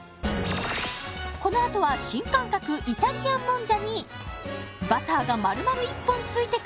このあとは新感覚イタリアンもんじゃにバターが丸々１本ついてくる！？